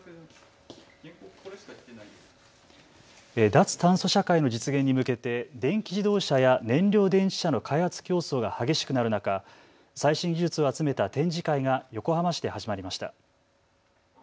脱炭素社会の実現に向けて電気自動車や燃料電池車の開発競争が激しくなる中、最新技術を集めた展示会が横浜市で始まりました。